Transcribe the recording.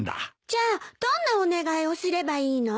じゃあどんなお願いをすればいいの？